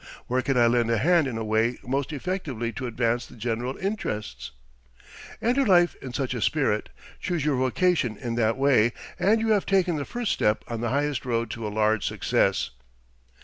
Where can I lend a hand in a way most effectively to advance the general interests? Enter life in such a spirit, choose your vocation in that way, and you have taken the first step on the highest road to a large success.